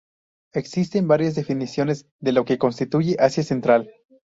Existen varias definiciones de lo que constituye Asia Central.